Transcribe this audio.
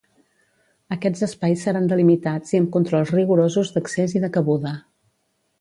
Aquests espais seran delimitats i amb controls rigorosos d’accés i de cabuda.